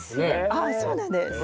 ああそうなんです。